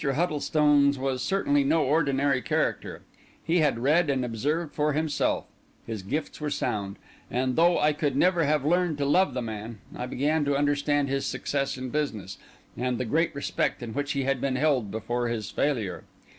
Huddlestone's was certainly no ordinary character; he had read and observed for himself; his gifts were sound; and, though I could never have learned to love the man, I began to understand his success in business, and the great respect in which he had been held before his failure.